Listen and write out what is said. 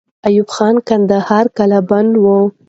ایوب خان کندهار قلابندوي.